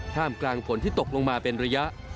ท่ามกลางฝนที่ตกลงมาเป็นระยะ